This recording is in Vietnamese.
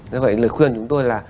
do vậy lời khuyên chúng tôi là